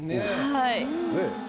はい。